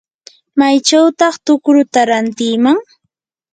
¿maychawtaq tukruta rantiman?